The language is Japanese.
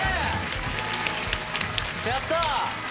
やった！